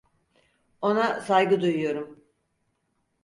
Ona saygı duyuyorum.